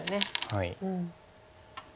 はい。